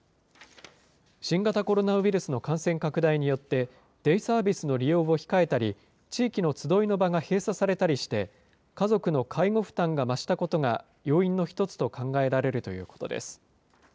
新型コロナウイルスの感染拡大によって、デイサービスの利用を控えたり、地域の集いの場が閉鎖されたりして、家族の介護負担が増したことが要因の一つと考えられるということです。